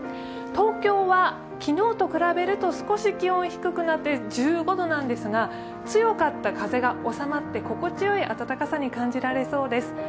東京は昨日と比べると少し気温は低くなって１５度なんですが、強かった風が収まって心地よい暖かさに感じられそうです。